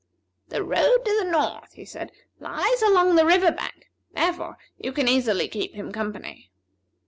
"The road to the north," he said, "lies along the river bank; therefore, you can easily keep him company."